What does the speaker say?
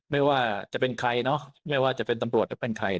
ไม่ว่าจะเป็นใครเนาะไม่ว่าจะเป็นตำรวจหรือเป็นใคร